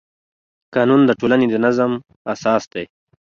قانون د ټولنې د نظم اساس دی.